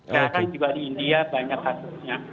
karena juga di india banyak kasusnya